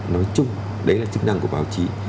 nói chung đấy là chức năng của báo chí